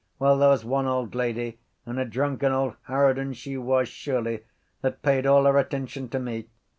Well there was one old lady, and a drunken old harridan she was surely, that paid all her attention to me.